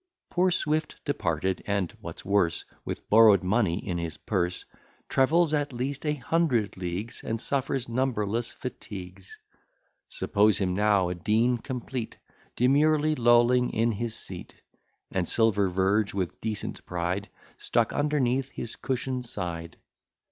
Poor Swift departed, and, what's worse, With borrow'd money in his purse, Travels at least a hundred leagues, And suffers numberless fatigues. Suppose him now a dean complete, Demurely lolling in his seat, And silver verge, with decent pride, Stuck underneath his cushion side.